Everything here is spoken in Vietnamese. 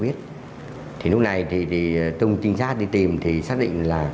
bé hai là ai